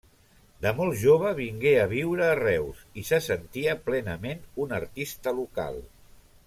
De molt jove vingué a viure a Reus i se sentia plenament un artista local.